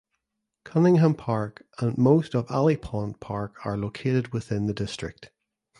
Cunningham Park and most of Alley Pond Park are located within the district.